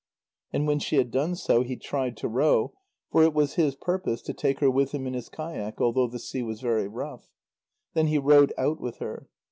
And when she had done so, he tried to row, for it was his purpose to take her with him in his kayak, although the sea was very rough. Then he rowed out with her.